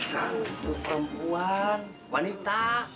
canggul perempuan wanita